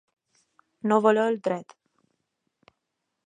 No valer el tret.